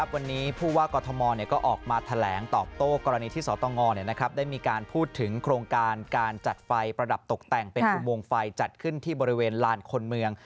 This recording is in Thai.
วันนี้ผู้ว่ากอทมก็ออกมาแถลงตอบโต้กรณีที่สตงได้มีการพูดถึงโครงการการจัดไฟประดับตกแต่งเป็นอุโมงไฟจัดขึ้นที่บริเวณลานคนเมือง